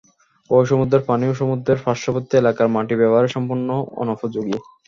ঐ সমুদ্রের পানি ও সমুদ্রের পার্শ্ববর্তী এলাকার মাটি ব্যবহারের সম্পূর্ণ অনুপযোগী।